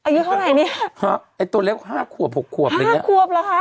อยู่เข้าไหนเนี้ยฮะไอ้ตัวเล็กห้าขวบหกขวบห้าขวบเหรอฮะ